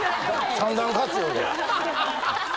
三段活用で。